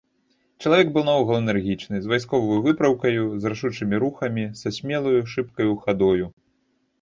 Чалавек быў наогул энергічны, з вайсковаю выпраўкаю, з рашучымі рухамі, са смелаю, шыбкаю хадою.